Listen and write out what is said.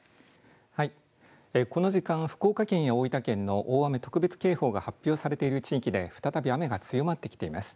この時間、福岡県や大分県の大雨特別警報が発表されている地域で再び雨が強まってきています。